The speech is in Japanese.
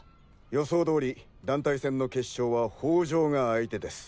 予想通り団体戦の決勝は法城が相手です。